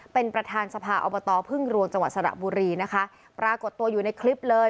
เป็นประธานสภาอบตพึ่งรวงจังหวัดสระบุรีนะคะปรากฏตัวอยู่ในคลิปเลย